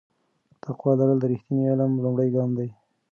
تقوا لرل د رښتیني علم لومړی ګام دی.